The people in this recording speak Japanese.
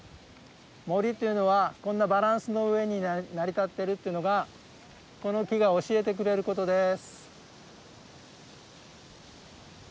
森というのはこんなバランスの上に成り立ってるってのがこの木が教えてくれることです。